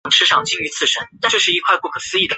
范围包括帕拉州东北部。